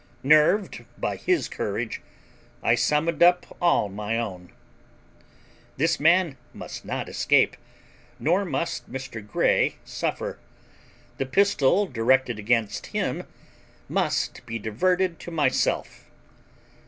Nerved by his courage, I summoned up all my own. This man must not escape, nor must Mr. Grey suffer. The pistol directed against him must be diverted to myself.